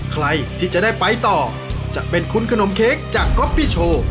ใครที่จะได้ไปต่อจะเป็นคุณขนมเค้กจากก๊อปปี้โชว์